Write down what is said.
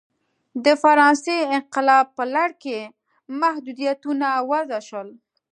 د فرانسې انقلاب په لړ کې محدودیتونه وضع شول.